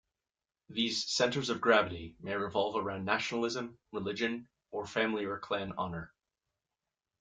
These centers of gravity may revolve around nationalism, religion, or family or clan honor.